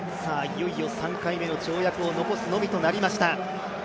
いよいよ３回目の跳躍を残すのみとなりました。